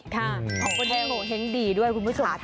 ค่ะผ่องผ่องดีดีด้วยคุณผู้ชมทำมาค่ะ